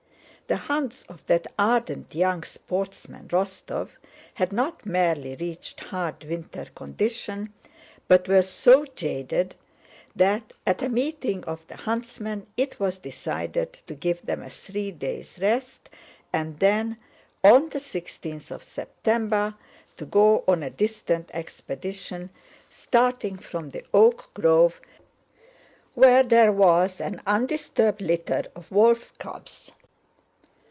The hounds of that ardent young sportsman Rostóv had not merely reached hard winter condition, but were so jaded that at a meeting of the huntsmen it was decided to give them a three days' rest and then, on the sixteenth of September, to go on a distant expedition, starting from the oak grove where there was an undisturbed litter of wolf cubs.